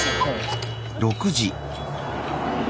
６時。